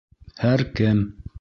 Һәр кем